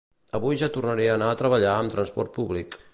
Avui ja tornaré a anar a treballar amb transport públic